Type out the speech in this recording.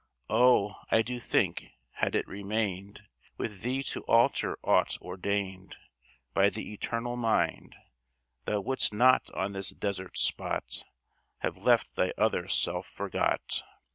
Oh, I do think, had it remained With thee to alter aught ordained By the Eternal Mind, Thou wouldst not on this desert spot Have left thy other self forgot!